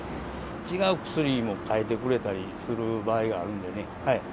違う薬に変えてくれたりする場合があるんでね。